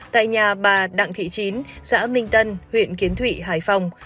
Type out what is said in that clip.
tại nhà bà đặng thị chín xã minh tân huyện kiến thụy hải phòng